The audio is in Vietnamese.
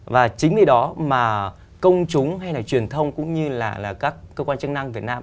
và chính vì đó mà công chúng hay là truyền thông cũng như là các cơ quan chức năng việt nam